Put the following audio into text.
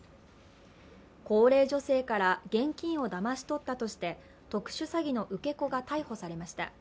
高齢女性から現金をだまし取ったとして特殊詐欺の受け子が逮捕されました。